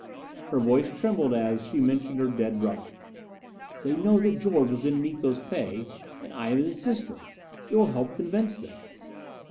Her voice trembled as, she mentioned her dead brother. "They know that George was in Miko's pay, and I am his sister.... It will help convince them."